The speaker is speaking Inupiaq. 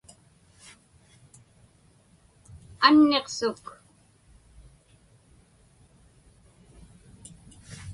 Anniqsuk.